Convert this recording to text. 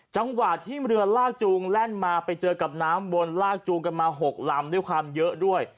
จังหวะที่เรือลากจูงแล่นมาไปเจอกับน้ำวนลากจูงกันมา๖ลำด้วยความเยอะด้วย